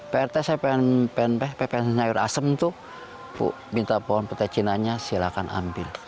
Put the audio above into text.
prt saya ppn sayur asem itu minta pohon petai cinanya silakan ambil